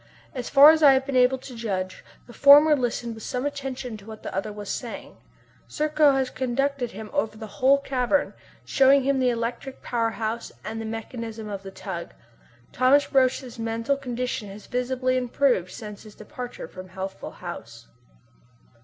As far as I have been able to judge, the former listened with some attention to what the other was saying to him. Serko has conducted him over the whole cavern, shown him the electric power house and the mechanism of the tug. Thomas Roch's mental condition has visibly improved since his departure from Healthful House.